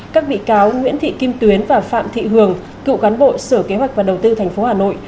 các vị cáo nguyễn thị kim tuyến và phạm thị hường cựu cán bộ sửa kế hoạch và đầu tư thành phố hà nội